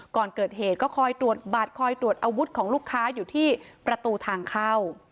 ก่อนเกิดเหตุก็คอยตรวจบัตรคอยตรวจอาวุธของลูกค้าอยู่ที่ประตูทางเข้า